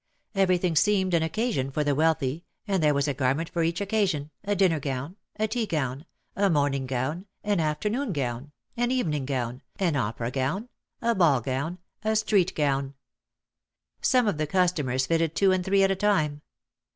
Everything seemed an occasion for the wealthy and there was a garment for each occasion, a dinner gown, a tea gown, a morning gown, an afternoon gown, an evening gown, an opera gown, a ball gown, a street gown. Some of the cus tomers fitted two and three at a time.